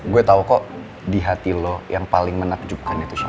gue tau kok di hati lo yang paling menakjubkan itu siapa